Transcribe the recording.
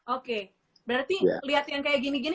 oke berarti kelihatan kayak gini gini